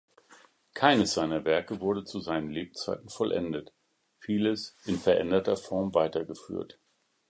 Keines seiner Werke wurde zu seinen Lebzeiten vollendet, vieles in veränderter Form weitergeführt.